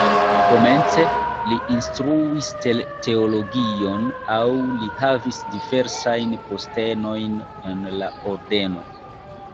Komence li instruis teologion aŭ li havis diversajn postenojn en la ordeno.